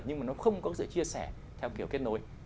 nhưng mà nó không có sự chia sẻ theo kiểu kết nối